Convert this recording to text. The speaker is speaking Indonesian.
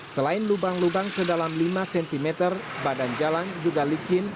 selain lubang lubang sedalam lima cm badan jalan juga licin